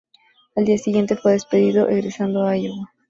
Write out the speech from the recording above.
Al día siguiente fue despedido, regresando a Iowa.